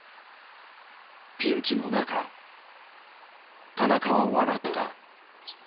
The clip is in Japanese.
ピンチの中田中は笑った。